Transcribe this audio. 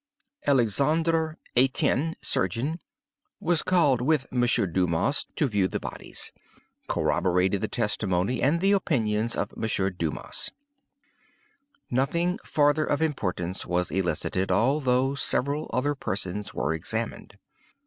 "Alexandre Etienne, surgeon, was called with M. Dumas to view the bodies. Corroborated the testimony, and the opinions of M. Dumas. "Nothing farther of importance was elicited, although several other persons were examined.